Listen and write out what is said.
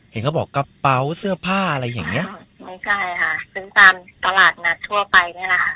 เห็นเขาบอกกระเป๋าเสื้อผ้าอะไรอย่างเงี้ยไม่ใช่ค่ะซึ่งตามตลาดนัดทั่วไปเนี่ยแหละค่ะ